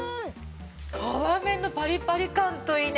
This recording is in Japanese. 皮目のパリパリ感といいね